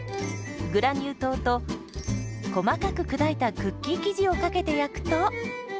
グラニュー糖と細かく砕いたクッキー生地をかけて焼くと。